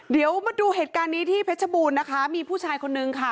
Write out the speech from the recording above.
เดี๋ยวมาดูเหตุการณ์นี้ที่เพชรบูรณ์นะคะมีผู้ชายคนนึงค่ะ